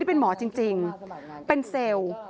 เป็นเซลล์